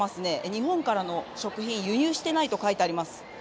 日本からの食品輸入していないと書いてあります。